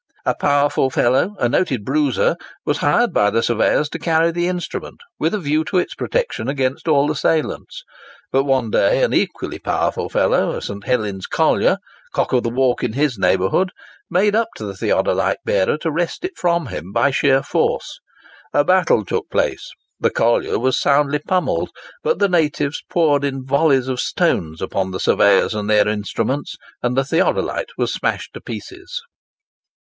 A powerful fellow, a noted bruiser, was hired by the surveyors to carry the instrument, with a view to its protection against all assailants; but one day an equally powerful fellow, a St. Helen's collier, cock of the walk in his neighbourhood, made up to the theodolite bearer to wrest it from him by sheer force. A battle took place, the collier was soundly pummelled, but the natives poured in volleys of stones upon the surveyors and their instruments, and the theodolite was smashed to pieces.